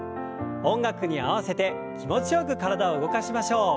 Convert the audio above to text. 音楽に合わせて気持ちよく体を動かしましょう。